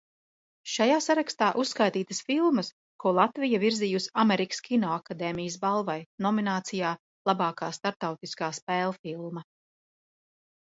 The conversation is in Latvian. "Šajā sarakstā uzskaitītas filmas, ko Latvija virzījusi Amerikas Kinoakadēmijas balvai nominācijā "Labākā starptautiskā spēlfilma"."